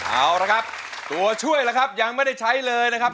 เอาละครับตัวช่วยล่ะครับยังไม่ได้ใช้เลยนะครับ